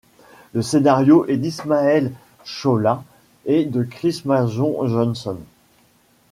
Le scénario est d'Ishmael Chawla et de Chris Mason Johnson.